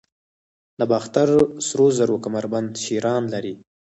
د باختر سرو زرو کمربند شیران لري